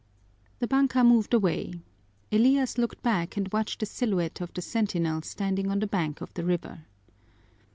The banka moved away. Elias looked back and watched the silhouette of the sentinel standing on the bank of the river.